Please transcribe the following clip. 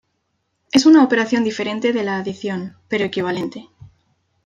Es una operación diferente de la adición, pero equivalente.